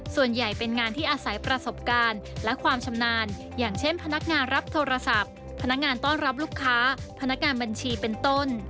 ส่วนใหญ่เป็นงานที่อาศัยประสบการณ์และความชำนาญอย่างเช่นพนักงานรับโทรศัพท์พนักงานต้อนรับลูกค้าพนักงานบัญชีเป็นต้น